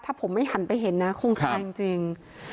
ถ้าผมไม่หันไปเห็นนะคงตายจริง